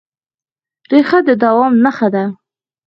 ریښه د دوام نښه ده.